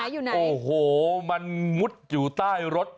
อยู่ไหนโอ้โหมันมุดอยู่ใต้รถ